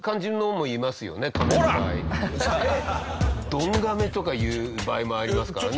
「どんがめ」とかいう場合もありますからね。